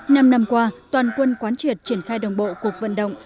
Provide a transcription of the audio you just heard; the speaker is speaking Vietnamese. năm năm qua toàn quân quán triệt triển khai đồng bộ cuộc vận động